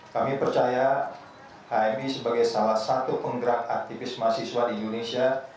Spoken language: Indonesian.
kami percaya hmi sebagai salah satu penggerak aktivis mahasiswa di indonesia